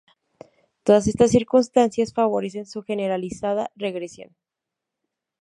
Todas estas circunstancias favorecen su generalizada regresión.